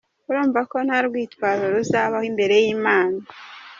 Urumva ko nta rwitwazo ruzabaho imbere y’Imana.